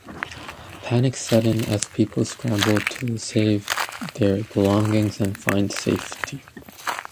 Panic set in as people scrambled to save their belongings and find safety.